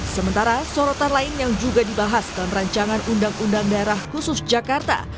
sementara sorotan lain yang juga dibahas dalam rancangan undang undang daerah khusus jakarta